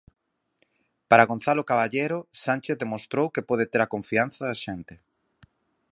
Para Gonzalo Caballero, Sánchez demostrou que pode ter a confianza da xente.